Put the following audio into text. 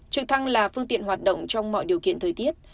trực thăng là phương tiện hoạt động trong mọi điều kiện thời tiết